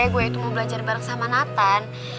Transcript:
gue itu mau belajar bareng sama nathan